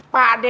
pak d denger